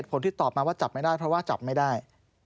ถูกแล้วแต่เขาทำอะไรไม่ได้